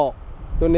là hai ngươi thôi